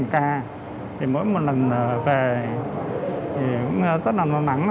thì mỗi một lần về thì cũng rất là nóng nắng